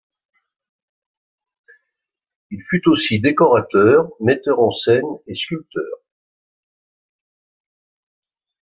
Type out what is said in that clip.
Il fut aussi décorateur, metteur en scène et sculpteur.